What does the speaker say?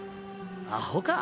アホか！